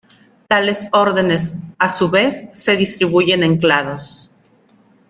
Tales órdenes, a su vez, se distribuyen en clados.